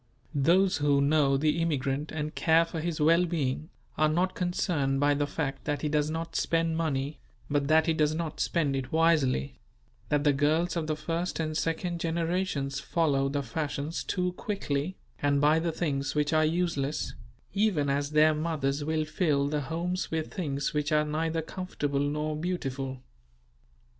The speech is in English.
Those who know the immigrant and care for his well being, are not concerned by the fact that he does not spend money, but that he does not spend it wisely; that the girls of the first and second generations follow the fashions too quickly, and buy the things which are useless; even as their mothers will fill the homes with things which are neither comfortable nor beautiful.